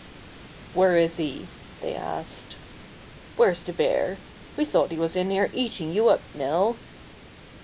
"Where is he?" they asked. "Where's the bear? We thought he was in here eating you up, Nell."